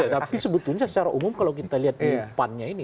tapi sebetulnya secara umum kalau kita lihat di pannya ini